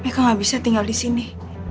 meka gak bisa tinggal disini